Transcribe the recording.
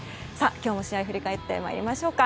今日の試合を振り返ってまいりましょうか。